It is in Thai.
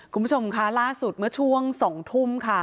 คุณผู้ชมค่ะล่าสุดเมื่อช่วง๒ทุ่มค่ะ